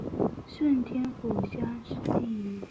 顺天府乡试第一百十九名。